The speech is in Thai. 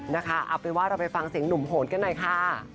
นะคะเอาเป็นว่าเราไปฟังเสียงหนุ่มโหนกันหน่อยค่ะ